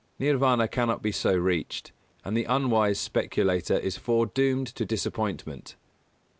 Nirvāna cannot be so reached, and the unwise speculator is foredoomed to disappointment.